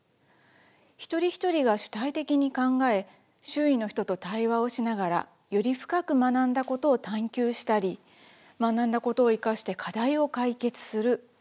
一人一人が主体的に考え周囲の人と対話をしながらより深く学んだことを探究したり学んだことを生かして課題を解決する。